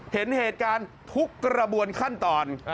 เห็นเหตุการณ์ทุกกระบวนขั้นตอน